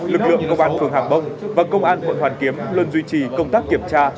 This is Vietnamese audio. lực lượng công an phường hàng bông và công an quận hoàn kiếm luôn duy trì công tác kiểm tra